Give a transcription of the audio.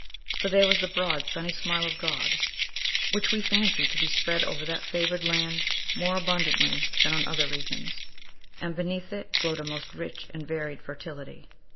For there was the broad, sunny smile of God, which we fancy to be spread over that favored land more abundantly than on other regions, and beneath it glowed a most rich and varied fertility.